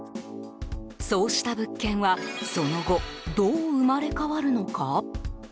そうした物件はその後、どう生まれ変わるのか？